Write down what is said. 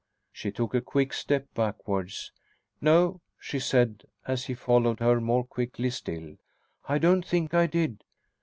She took a quick step backwards. "No," she said, as he followed her more quickly still, "I don't think I did.